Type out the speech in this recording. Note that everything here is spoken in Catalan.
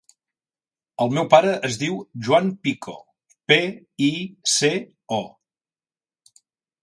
El meu pare es diu Joan Pico: pe, i, ce, o.